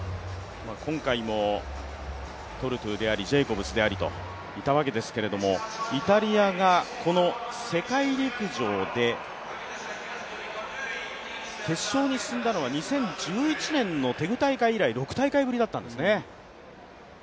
今回もトルトゥでありジェイコブスでありといたわけですけれどもイタリアがこの世界陸上で決勝に進んだのは２０１１年のテグ大会以来、６大会ぶりだったんですね。